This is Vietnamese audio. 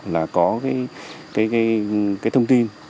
là có cái thông tin